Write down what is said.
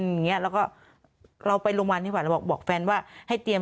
อย่างเงี้ยแล้วก็เราไปโรงพยาบาลดีกว่าเราบอกแฟนว่าให้เตรียม